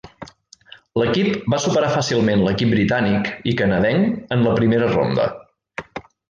L'equip va superar fàcilment l'equip britànic i canadenc en la primera ronda.